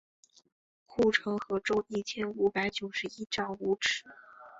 护城河周一千五百九十一丈五尺。